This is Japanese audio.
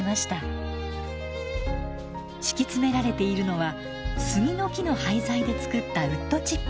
敷き詰められているのは杉の木の廃材で作ったウッドチップ。